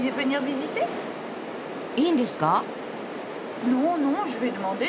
いいんですか？